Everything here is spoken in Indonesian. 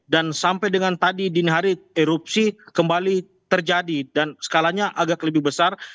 dan sampai dengan tadi dini hari erupsi kembali terjadi dan skalanya agak lebih besar